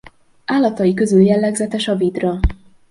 Állatai közül jellegzetes a vidra.